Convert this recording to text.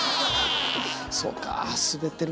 そうか滑ってるか。